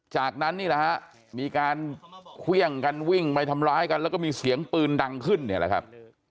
จากนั้นนี่แหละฮะมีการเครื่องกันวิ่งไปทำร้ายกันแล้วก็มีเสียงปืนดังขึ้นเนี่ยแหละครับ